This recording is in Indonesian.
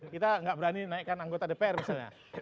kita nggak berani naikkan anggota dpr misalnya